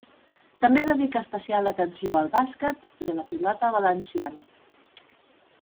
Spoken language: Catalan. També dedica especial atenció al bàsquet i a la pilota valenciana.